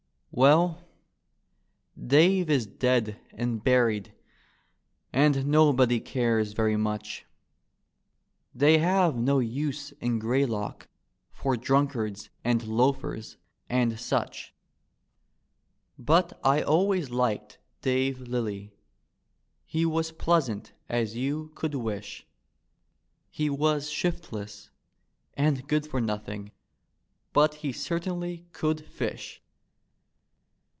D,gt,, erihyGOO^IC Dave Lilly 1 13 Well, Dave is dead and buried and nobody cares very much; They have no use in Greylock for dnintards and loafers and such, But I always liked Dave Lilly, he was pleasant as you could wish, He was shiftless and good for nothing, but he ccruinly could fish.